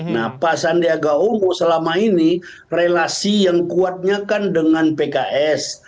nah pak sandiaga uno selama ini relasi yang kuatnya kan dengan pks